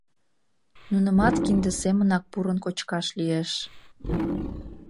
Нунымат кинде семынак пурын кочкаш лиеш.